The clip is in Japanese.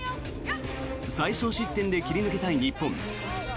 最少失点で切り抜けたい日本。